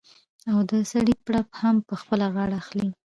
او د سړي پړه هم په خپله غاړه اخلي.